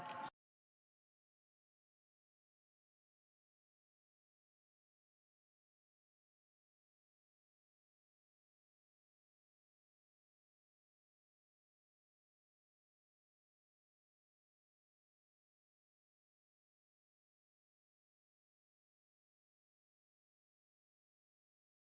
คุณพระมาทดรนายศิลปะพุทธ